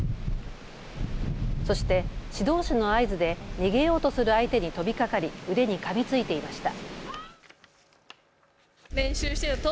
そして指導士の合図で逃げようとする相手に飛びかかり腕にかみついていました。